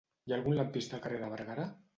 Hi ha algun lampista al carrer de Bergara?